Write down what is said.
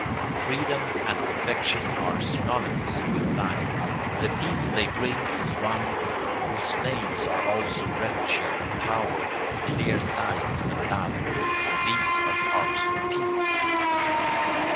Freedom and perfection are synonymous with life. The peace they bring is one whose names are also rapture, power, Clear sight, and love; for these are parts of peace.